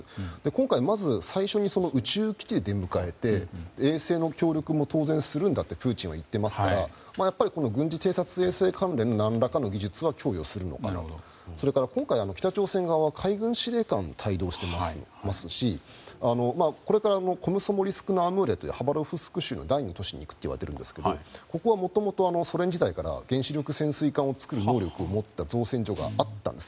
今回、最初に宇宙基地で出迎えて衛星の協力も当然するんだとプーチンは言っていますから軍事偵察衛星関係の何らかの技術は供与するのかなとそれから、北朝鮮側は海軍司令官を帯同していますしこれからコムソモリスクというハバロフスク州の第２の都市に行くといわれていますけどもともとソ連時代から原子力潜水艦を作る能力を持った造船所があったんです。